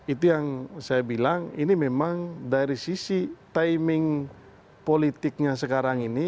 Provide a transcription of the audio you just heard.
itu yang saya bilang ini memang dari sisi timing politiknya sekarang ini